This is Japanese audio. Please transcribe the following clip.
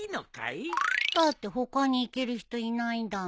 だって他に行ける人いないんだもん。